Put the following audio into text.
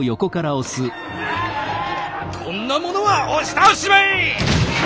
こんなものは押し倒しちまえ！